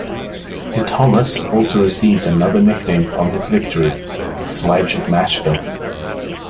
Thomas also received another nickname from his victory: "The Sledge of Nashville".